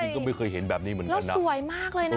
ก็ไม่เคยเห็นแบบนี้เหมือนกันนะสวยมากเลยนะ